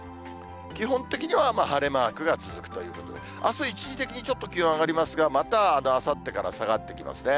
基本的には晴れマークが続くということで、あす一時的にちょっと気温上がりますが、またあさってから下がってきますね。